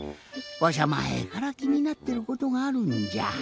わしゃまえからきになってることがあるんじゃ。